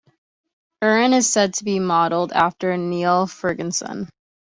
Irwin is said to be modelled after Niall Ferguson.